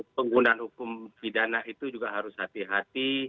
penggunaan hukum pidana itu juga harus hati hati